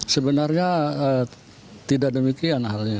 sebenarnya tidak demikian halnya